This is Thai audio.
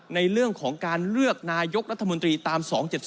ในเรื่องของการเลือกนายกรัฐมนตรีตาม๒๗๒